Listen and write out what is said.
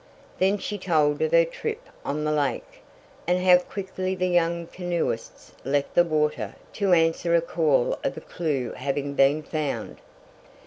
Then she told of her trip on the lake, and how quickly the young canoeists left the water to answer a call of a clew having been found.